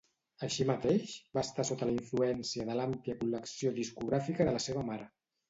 Així mateix, va estar sota la influència de l'àmplia col·lecció discogràfica de la seva mare.